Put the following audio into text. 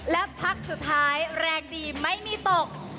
และพักสุดท้ายแรงดีไม่มีตก